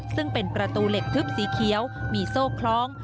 ซึ่งเป็นประตูเหล็กทึบสีเขียวมีโซ่คล้อง